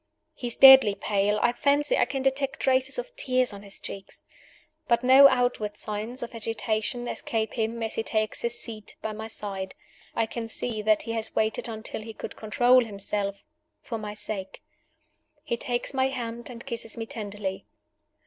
He is deadly pale: I fancy I can detect traces of tears on his cheeks. But no outward signs of agitation escape him as he takes his seat by my side. I can see that he has waited until he could control himself for my sake. He takes my hand, and kisses me tenderly.